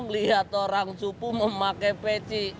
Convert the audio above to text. melihat orang supu memakai peci